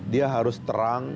dia harus terang